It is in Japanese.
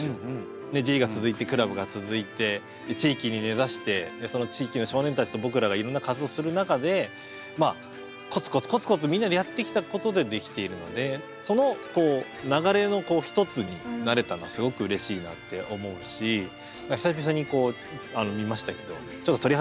Ｊリーグが続いてクラブが続いて地域に根ざしてその地域の少年たちと僕らがいろんな活動する中でまあコツコツコツコツみんなでやってきたことでできているのでその流れの一つになれたのはすごくうれしいなって思うし久々にこう見ましたけどちょっと鳥肌立ちました。